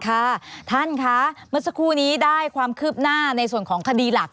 ค่ะท่านคะเมื่อสักครู่นี้ได้ความคืบหน้าในส่วนของคดีหลัก